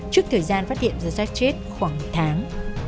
trước thời gian phát hiện ra rác chết khoảng một tháng